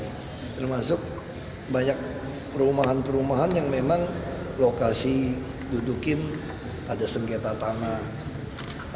termasuk banyak perumahan perumahan yang memang lokasi dudukin ada sengketa tanah